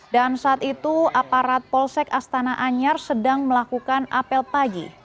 dan saat itu aparat polsek astana anyar sedang melakukan apel pagi